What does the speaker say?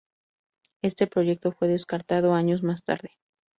Este proyecto fue descartado años más tarde.